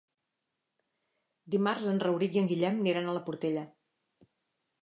Dimarts en Rauric i en Guillem aniran a la Portella.